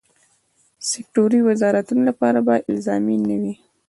سکټوري وزارتونو لپاره به الزامي نه وي.